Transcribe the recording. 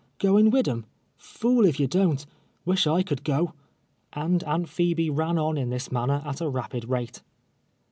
Goin' wid 'em? Fool if ye don't — wish I could go," and Aunt Phebe ran on in this manner at a rapid rate.